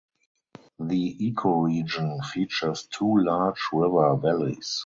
The ecoregion features two large river valleys.